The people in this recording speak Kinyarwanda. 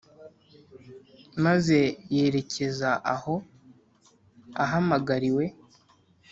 maze yerekeza aho ahamagariwe